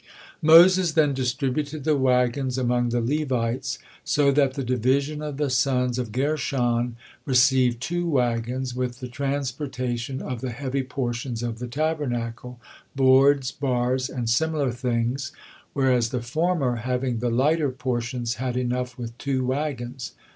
Moses then distributed the wagons among the Levites so that the division of the sons of Gershon received two wagons, with the transportation of the heavy portions of the Tabernacle, boards, bars, and similar things, whereas the former, having the lighter portions, had enough with two wagons.